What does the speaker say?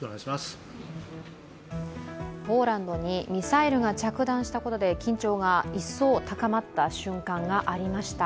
ポーランドにミサイルが着弾したことで緊張が一層高まった瞬間がありました。